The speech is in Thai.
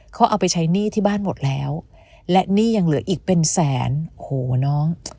เขาเอาไปใช้หนี้ที่บ้านหมดแล้วและหนี้ยังเหลืออีกเป็นแสนโหน้อง